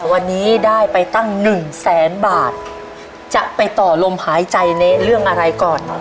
วันนี้ได้ไปตั้งหนึ่งแสนบาทจะไปต่อลมหายใจในเรื่องอะไรก่อน